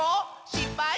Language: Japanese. しっぱい？